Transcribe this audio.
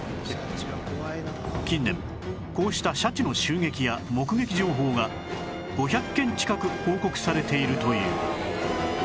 近年こうしたシャチの襲撃や目撃情報が５００件近く報告されているという